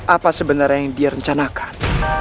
apa sebenarnya yang direncanakan